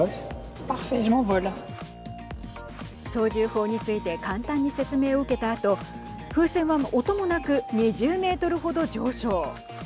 操縦法について簡単に説明を受けたあと風船は音もなく２０メートルほど上昇。